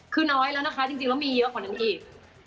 คือน้อยแล้วนะคะจริงแล้วมีเยอะกว่านั้นอีก